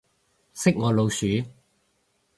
識我老鼠